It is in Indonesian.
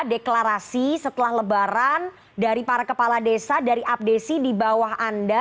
deklarasi setelah lebaran dari para kepala desa dari abdesi di bawah anda